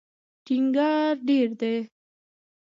ټینګار ډېر دی.